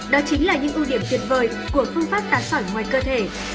đó chính là những ưu điểm tuyệt vời của phương pháp tán sỏi ngoài cơ thể